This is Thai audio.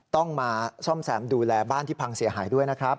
ต้องมาซ่อมแซมดูแลบ้านที่พังเสียหายด้วยนะครับ